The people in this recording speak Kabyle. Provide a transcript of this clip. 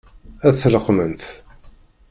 Ad t-leqqment?